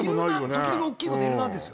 時々大きい子でいるなですよね。